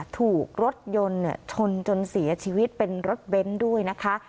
ถูกรถยนต์ชนจนเสียชีวิตเป็นรถเบนท์ด้วยนะคะ